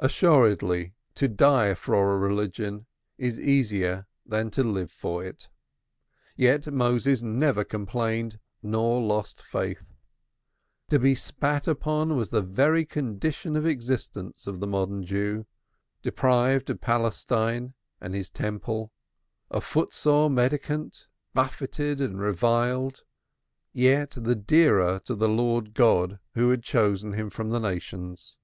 Assuredly, to die for a religion is easier than to live for it. Yet Moses never complained nor lost faith. To be spat upon was the very condition of existence of the modern Jew, deprived of Palestine and his Temple, a footsore mendicant, buffeted and reviled, yet the dearer to the Lord God who had chosen him from the nations.